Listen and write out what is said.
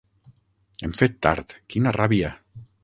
Hem fet tard: quina ràbia!